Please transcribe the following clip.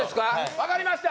分かりました